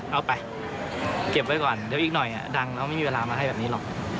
เอาไปเก็บไว้ก่อนเดี๋ยวอีกหน่อยดังแล้วไม่มีเวลามาให้แบบนี้หรอก